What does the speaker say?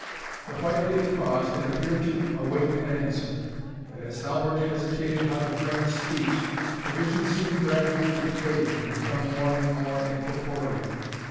The White Lady paused, and appeared to await an answer; but, as Halbert hesitated how to frame his speech, the vision seemed gradually to fade, and became more and more incorporeal.